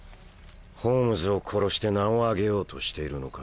ホームズを殺して名を上げようとしているのか？